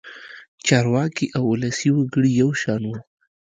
چارواکي او ولسي وګړي یو شان وو.